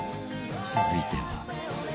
続いては